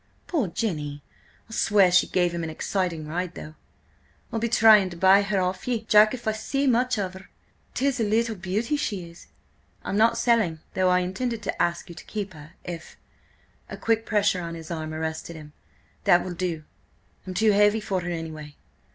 "Poor Jenny! I'll swear she gave him an exciting ride, though." "I'll be trying to buy her off ye, Jack, if I see much of her. 'Tis a little beauty she is." "I'm not selling, though I intended to ask you to keep her, if—" A quick pressure on his arm arrested him. "That will do! I'm too heavy for her anyway."